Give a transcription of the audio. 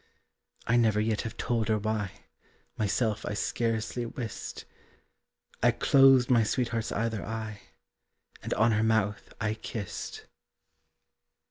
I never yet have told her why, Myself I scarcely wist. I closed my sweetheart's either eye, And on her mouth I kissed.